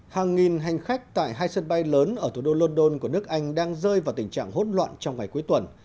hàng nghìn hành khách tại hai sân bay lớn ở thủ đô london của nước anh đang rơi vào tình trạng hỗn loạn trong ngày cuối tuần